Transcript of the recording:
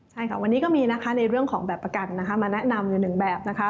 ใช่ค่ะวันนี้ก็มีในเรื่องของแบบประกันมาแนะนำหนึ่งแบบ